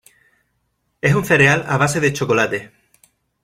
Es un cereal a base de chocolate.